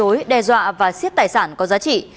hải cho giang hồ đến gây dối và xét tài sản có giá trị